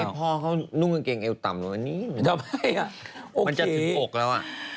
อยากบอกให้พ่อเขานุ่งกางเกงเอวต่ำหนูอันนี้มันจะถึงอกแล้วอะ